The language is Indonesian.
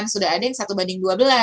sudah ada yang satu banding dua belas